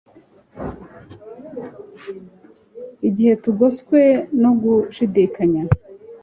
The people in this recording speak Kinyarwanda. Igihe tugoswe no gushidikanya